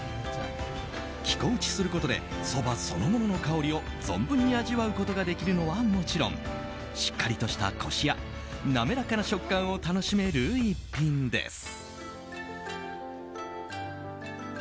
生粉打ちすることでそばそのものの香りを存分に味わうことができるのはもちろんしっかりとしたコシや滑らかな食感を楽しめる一品です。